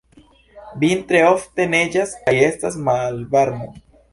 Vintre ofte neĝas kaj estas malvarmo.